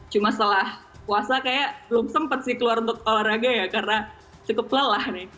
cuma setelah puasa kayaknya belum sempat sih keluar untuk olahraga ya karena cukup lelah nih